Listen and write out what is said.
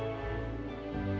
yang ketiga apa yang kamu inginkan